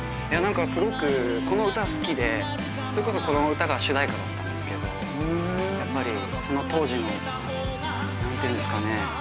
何かすごくこの歌好きでそれこそこの歌が主題歌だったんですけどやっぱりその当時の何て言うんですかね